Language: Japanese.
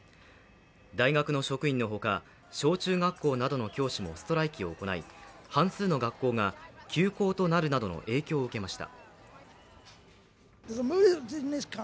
大学の職員のほか、小中学校などの教師もストライキを行い半数の学校が休校となるなどの影響を受けました。